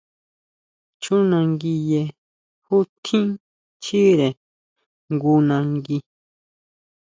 Chjunanguiye jú tjín chíre jngu nangui.